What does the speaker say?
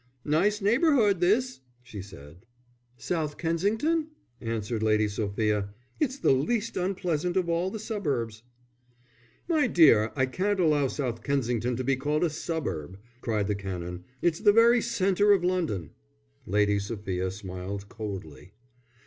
"Nice neighbourhood this!" she said. "South Kensington?" answered Lady Sophia. "It's the least unpleasant of all the suburbs." "My dear, I cannot allow South Kensington to be called a suburb," cried the Canon. "It's the very centre of London." Lady Sophia smiled coldly.